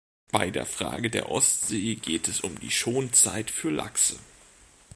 Bei der Frage der Ostsee geht es um die Schonzeit für Lachse.